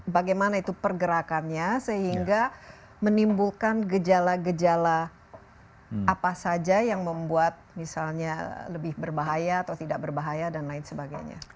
bagaimana itu pergerakannya sehingga menimbulkan gejala gejala apa saja yang membuat misalnya lebih berbahaya atau tidak berbahaya dan lain sebagainya